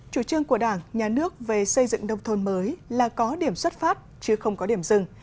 chủ trương của đảng nhà nước về xây dựng nông thôn mới là có điểm xuất phát chứ không có điểm dừng